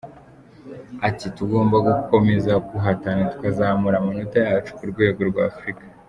Ati" Tugomba gukomeza guhatana tukazamura amanota yacu ku rwego rwa Afurika.